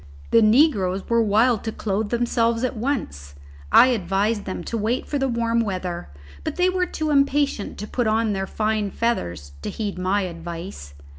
The negroes were wild to clothe themselves at once; I advised them to wait for the warm weather, but they were too impatient to put on their fine feathers to heed my advice.